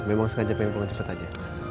memang suka jepain pulang cepet aja